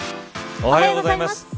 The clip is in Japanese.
おはようございます。